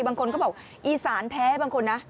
บางคนก็บอกอีสานแท้บางคนนะ